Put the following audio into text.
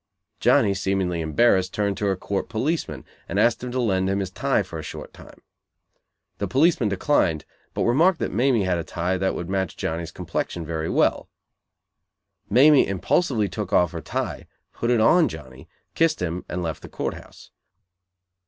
Johnny, seemingly embarrassed, turned to a Court policeman, and asked him to lend him his tie for a short time. The policeman declined, but remarked that Mamie had a tie that would match Johnny's complexion very well. Mamie impulsively took off her tie, put it on Johnny, kissed him, and left the Court house.